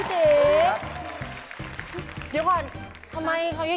สวัสดีค่ะภิตี